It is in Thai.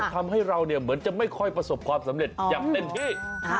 ทำให้เราเหมือนจะไม่ค่อยประสบความสำเร็จอย่างเต็มที่